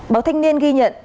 báo thanh niên ghi nhận